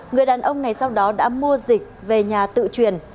người đàn ông này sau đó đã mua dịch về nhà tự truyền